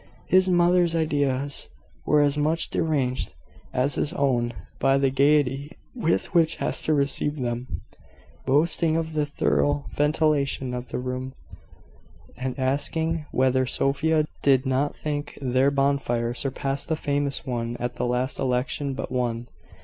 His mother's ideas were as much deranged as his own, by the gaiety with which Hester received them, boasting of the thorough ventilation of the room, and asking whether Sophia did not think their bonfire surpassed the famous one at the last election but one.